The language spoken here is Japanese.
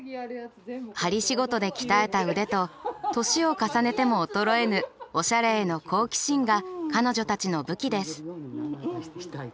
針仕事で鍛えた腕と年を重ねても衰えぬおしゃれへの好奇心が彼女たちの武器です。